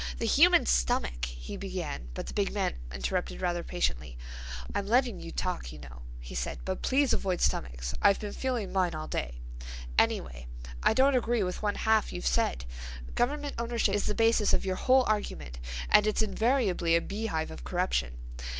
"The human stomach—" he began; but the big man interrupted rather impatiently. "I'm letting you talk, you know," he said, "but please avoid stomachs. I've been feeling mine all day. Anyway, I don't agree with one half you've said. Government ownership is the basis of your whole argument, and it's invariably a beehive of corruption.